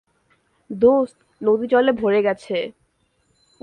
দোস্ত, নদী জলে ভরে গেছে!